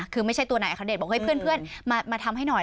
คือไม่ใช่ตัวนายอัคเดชบอกเฮ้ยเพื่อนมาทำให้หน่อย